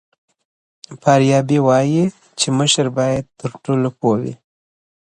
فارابي وایي چي مشر باید تر ټولو پوه وي.